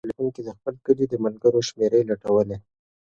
خیر محمد په خپل مات تلیفون کې د خپل کلي د ملګرو شمېرې لټولې.